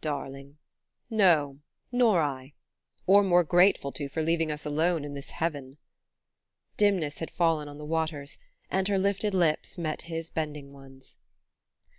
"Darling! No; nor I . Or more grateful to for leaving us alone in this heaven." Dimness had fallen on the waters, and her lifted lips met his bending ones.